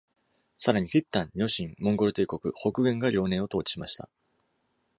さらに、契丹、女真、モンゴル帝国、北元が遼寧を統治しました。